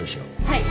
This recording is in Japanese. はい。